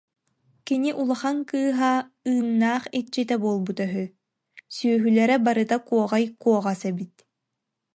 Кини улахан кыыһа Ыыннаах иччитэ буолбута үһү, сүөһүлэрэ барыта куоҕай куоҕас эбит